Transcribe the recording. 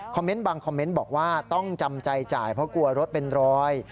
เมนต์บางคอมเมนต์บอกว่าต้องจำใจจ่ายเพราะกลัวรถเป็นรอย